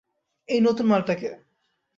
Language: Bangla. এই নতুন মালটা কে?